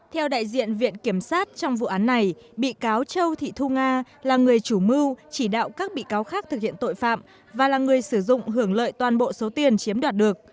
theo đại diện viện kiểm sát trong vụ án này bị cáo châu thị thu nga là người chủ mưu chỉ đạo các bị cáo khác thực hiện tội phạm và là người sử dụng hưởng lợi toàn bộ số tiền chiếm đoạt được